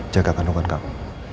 jaga kandungan kamu